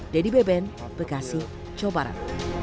dedy beben bekasi jawa barat